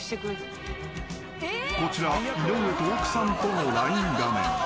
［こちら井上と奥さんとのＬＩＮＥ画面］